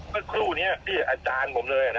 ก็คู่นี้พี่อาจารย์ผมเลยนะ